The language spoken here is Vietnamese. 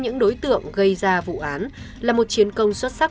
những đối tượng gây ra vụ án là một chiến công xuất sắc